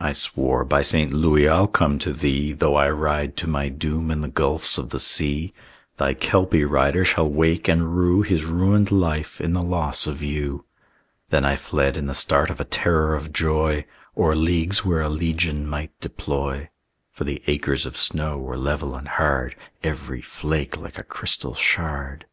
I swore, "By St. Louis, I'll come to thee, Though I ride to my doom in the gulfs of the sea! "Thy Kelpie rider shall wake and rue His ruined life in the loss of you." Then I fled in the start of a terror of joy, O'er leagues where a legion might deploy; For the acres of snow were level and hard, Every flake like a crystal shard.